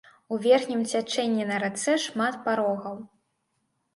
У верхнім цячэнні на рацэ шмат парогаў.